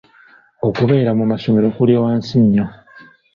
Okubeera mu masomero kuli wansi nnyo.